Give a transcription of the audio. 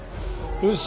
よし。